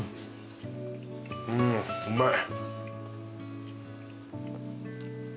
うんうまい。